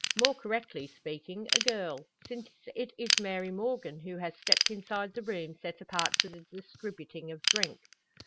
More correctly speaking a girl; since it is Mary Morgan who has stepped inside the room set apart for the distributing of drink.